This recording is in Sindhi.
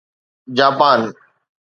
جاپان